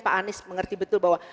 pak anies mengerti betul bahwa